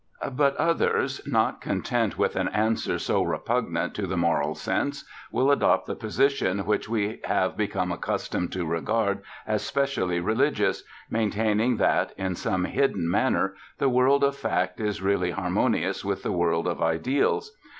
But others, not content with an answer so repugnant to the moral sense, will adopt the position which we have become accustomed to regard as specially religious, maintaining that, in some hidden manner, the world of fact is really harmonious with the world of ideals.